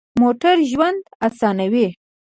موټر د ژوند اسانوي.